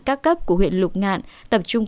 các cấp của huyện lục ngạn tập trung